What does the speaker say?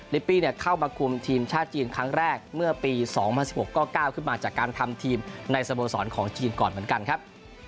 ปี้เข้ามาคุมทีมชาติจีนครั้งแรกเมื่อปี๒๐๑๖ก็ก้าวขึ้นมาจากการทำทีมในสโมสรของจีนก่อนเหมือนกันครับ